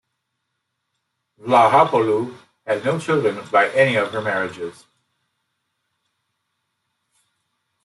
Vlahopoulou had no children by any of her marriages.